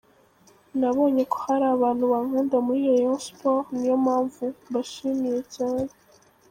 Nabonye ko hari abantu bankunda muri Rayon Sports niyo mpamvu mbashimiye cyane.